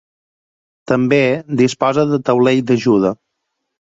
També disposa de taulell d'ajuda.